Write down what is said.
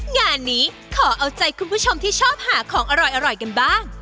งานนี้ขอเอาใจคุณผู้ชมที่ชอบหาของอร่อยกันบ้าง